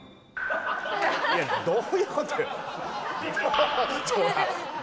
いやどういうことよ？